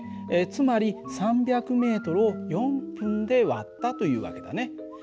つまり３００ｍを４分で割ったという訳だね。